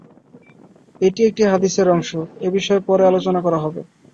এটি একটি হাদীসের অংশ, এ বিষয়ে পরে আলোচনা করা হবে।